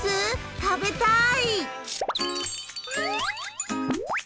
食べたい！